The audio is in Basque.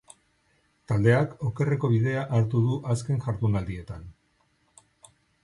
Taldeak okerreko bidea hartu du azken jardunaldietan.